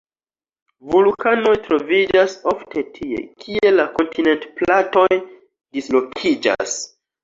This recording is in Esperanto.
Vulkanoj troviĝas ofte tie, kie la kontinentplatoj dislokiĝas.